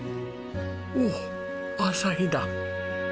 おっ朝日だ。